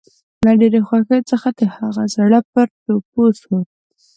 له ډېرې خوښۍ څخه د هغه زړه پر ټوپو شو